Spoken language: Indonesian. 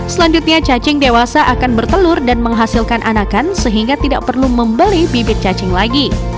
selanjutnya cacing dewasa akan bertelur dan menghasilkan anakan sehingga tidak perlu membeli bibit cacing lagi